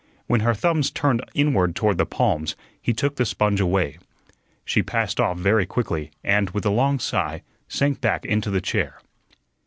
When her thumbs turned inward toward the palms, he took the sponge away. She passed off very quickly, and, with a long sigh, sank back into the chair.